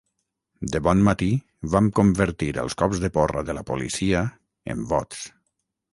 De bon matí, vam convertir els cops de porra de la policia en vots.